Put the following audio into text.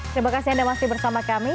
terima kasih anda masih bersama kami